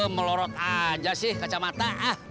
melorot aja sih kacamata